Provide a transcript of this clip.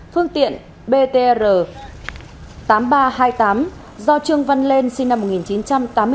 phương tiện btr tám nghìn ba trăm hai mươi tám do trương văn lên sinh năm một nghìn chín trăm tám mươi bốn